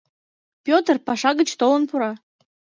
Пӧтыр паша гыч толын пура.